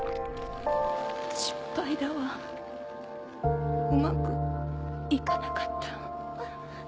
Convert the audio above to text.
失敗だわうまくいかなかった。